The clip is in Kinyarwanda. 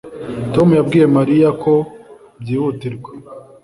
Tom yabwiye Mariya ko byihutirwa